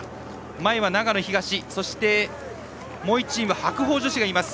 前は長野東、そしてもう１チーム白鵬女子がいます。